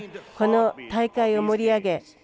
この大会を盛り上げ